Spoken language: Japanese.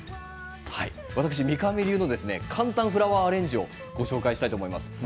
私、三上流の簡単フラワーアレンジをご紹介したいと思います。